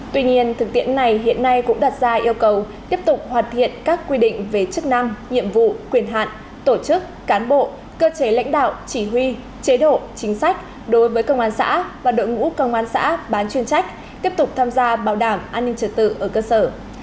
tuy nhiên thực tiễn này hiện nay cũng đặt ra yêu cầu tiếp tục hoàn thiện các quy định về chức năng nhiệm vụ quyền hạn tổ chức cán bộ cơ chế lãnh đạo chỉ huy chế độ chính sách đối với công an xã và đội ngũ công an xã bán chuyên trách tiếp tục tham gia bảo đảm an ninh trật tự ở cơ sở